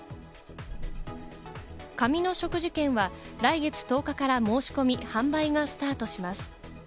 紙の食事券は来月１０日から申し込み、販売がスタートします。